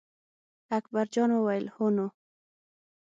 اکبر جان وویل: هو نو.